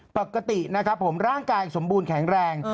ปกตินะครับผมร่างกายสมบูรณ์แข็งแรง